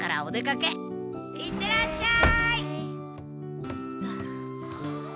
行ってらっしゃい。